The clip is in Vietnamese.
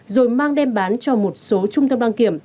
rồi mang đem bán cho một số trung tâm đăng kiểm